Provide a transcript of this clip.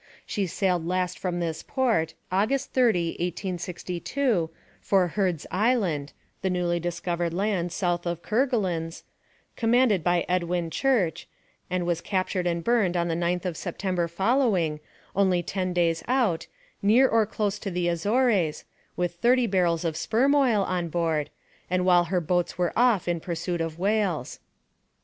She sailed last from this port, August 30, 1862, for Hurd's Island (the newly discovered land south of Kerguelen's), commanded by Edwin Church, and was captured and burned on the 9th of September following, only ten days out, near or close to the Azores, with thirty barrels of sperm oil on board, and while her boats were off in pursuit of whales.